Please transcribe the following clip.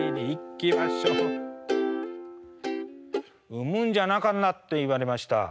「生むんじゃなかんな」って言われました。